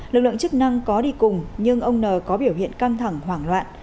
lực lượng chức năng có đi cùng nhưng ông n có biểu hiện căng thẳng hoảng loạn